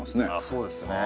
そうですね。